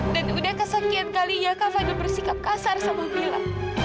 dan udah kesekian kalinya kak fadil bersikap kasar sama mila